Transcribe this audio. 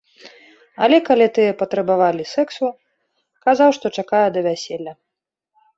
Але калі тыя патрабавалі сексу, казаў, што чакае да вяселля.